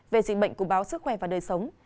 về dịch bệnh của báo sức khỏe và đời sống